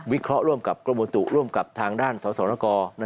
วิเคราะห์กดบูรณ์ตรุกร้วมกับทางด้านศรศกร